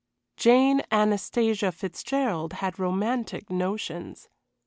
Jane Anastasia Fitzgerald had romantic notions.